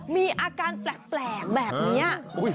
มีอาการแปลกแบบนี้